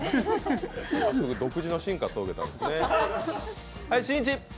独自の進化遂げたんですね。